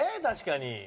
確かに。